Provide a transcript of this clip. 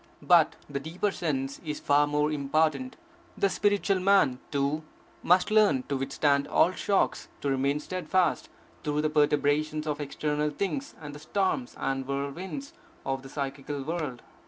But the deeper sense is far more important. The spiritual man, too, must learn to withstand all shocks, to remain steadfast through the perturbations of external things and the storms and whirlwinds of the psychical world.